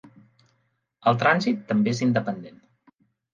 El trànsit també és independent.